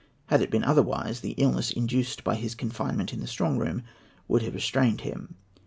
Had it been otherwise, the illness induced by his confinement in the Strong Room would have restrained him.